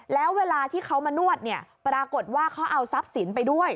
แล้วเวลาที่เขามานวดเนี่ยปรากฏว่าเขาเอาทรัพย์สินไปด้วย